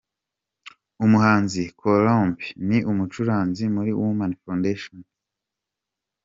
Umuhanzi Columbus ni umucuranzi muri Women Foundation.